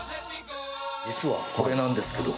実はこれなんですけど。